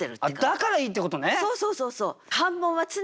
だからいいってことね。